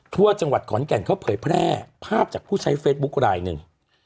ทั่วจังหวัดขอนแก่นเขาเผยแพร่ภาพจากผู้ใช้เฟซบุ๊คลายหนึ่ง